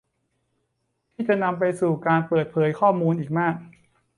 ที่จะนำไปสู่การเปิดเผยข้อมูลอีกมาก